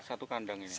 satu kandang ini saja